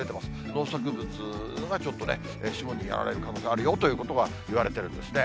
農作物がちょっとね、霜にやられる可能性あるよということがいわれてるんですね。